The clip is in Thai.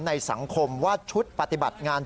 ในสังคมว่าชุดปฏิบัติงาน